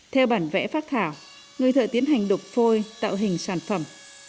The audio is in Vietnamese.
theo bản vẽ phát thảo người thợ tiến hành đục phôi tạo hình sản phẩm